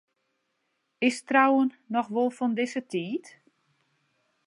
Is trouwen noch wol fan dizze tiid?